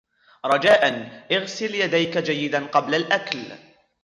رجاءً ، اغسل يديك جيدًا قبل الأكل.